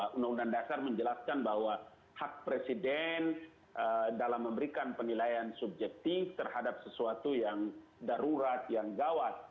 undang undang dasar menjelaskan bahwa hak presiden dalam memberikan penilaian subjektif terhadap sesuatu yang darurat yang gawat